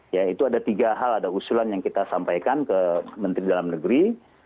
ya itu ada tiga hal ada usulan yang kita sampaikan ke menteri dalam negeri